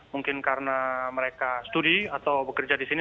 mungkin karena mereka studi atau bekerja di sini